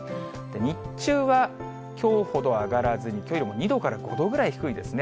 日中は、きょうほど上がらずに、きょうよりも２度から５度ぐらい低いですね。